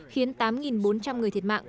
khiến tám bốn trăm linh người thiệt mạng